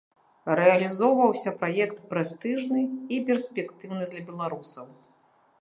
Рэалізоўваўся праект прэстыжны і перспектыўны для беларусаў.